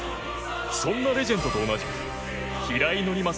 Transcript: そんなレジェンドと同じく平井伯昌